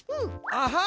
アハ！